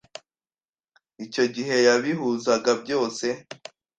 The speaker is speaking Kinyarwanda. Icyo gihe yabihuzaga byose